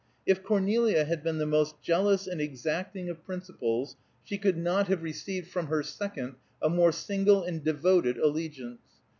If Cornelia had been the most jealous and exacting of principals she could not have received from her second a more single and devoted allegiance.